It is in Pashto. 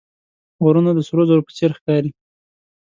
غرونه د سرو زرو په څېر ښکاري